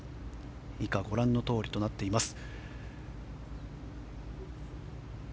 以下、ご覧のとおりとなっています。